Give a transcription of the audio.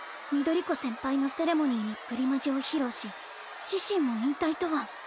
翠子先輩のセレモニーにプリマジを披露し自身も引退とは。